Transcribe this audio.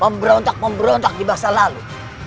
pemberontak pemberontak di masa lalu